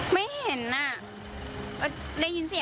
มันเป็นแบบที่สุดท้าย